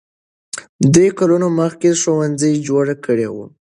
دوی کلونه مخکې ښوونځي جوړ کړي وو.